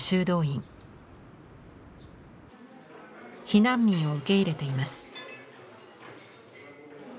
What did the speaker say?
避難民を受け入れています。